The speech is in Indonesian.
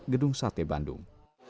gedung sate bandung